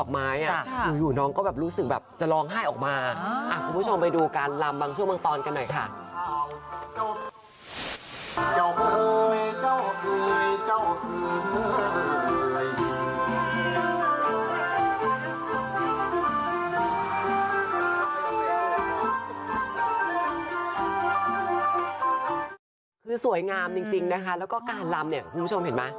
คือสวยงามจริงนะคะแล้วก็การลำเนี่ยคุณผู้ชมเห็นไหม